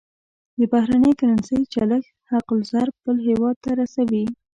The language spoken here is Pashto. د بهرنۍ کرنسۍ چلښت حق الضرب بل هېواد ته رسوي.